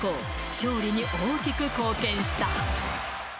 勝利に大きく貢献した。